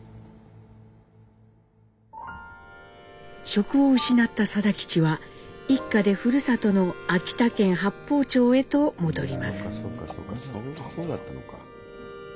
職を失った定吉は一家でふるさとの秋田県八峰町へと戻ります。